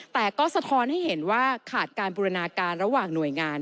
แต่ก็สะท้อนให้เห็นว่าขาดการบูรณาการระหว่างหน่วยงาน